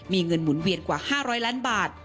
มีเงินหมุนเวียนกว่า๕๐๐ล้านบาท